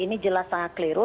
ini jelas sangat keliru